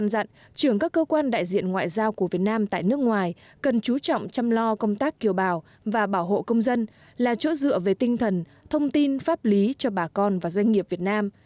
chủ tịch quốc hội căn dặn trưởng các cơ quan đại diện ngoại giao của việt nam tại nước ngoài cần chú trọng chăm lo công tác kiều bào và bảo hộ công dân là chỗ dựa về tinh thần thông tin pháp lý cho bà con và doanh nghiệp việt nam